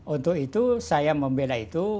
untuk itu saya membela itu